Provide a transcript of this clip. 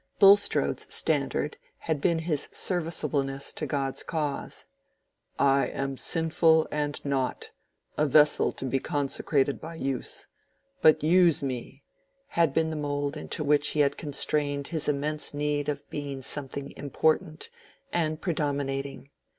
Bulstrode's standard had been his serviceableness to God's cause: "I am sinful and nought—a vessel to be consecrated by use—but use me!"—had been the mould into which he had constrained his immense need of being something important and predominating.